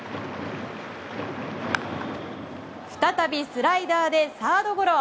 再びスライダーでサードゴロ。